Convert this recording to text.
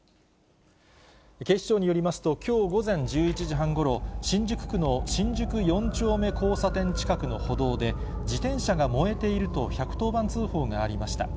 警視庁によりますと、きょう午前１１時半ごろ、新宿区の新宿４丁目交差点近くの歩道で、自転車が燃えていると１１０番通報がありました。